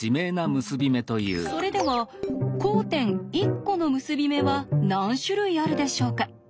それでは交点１コの結び目は何種類あるでしょうか？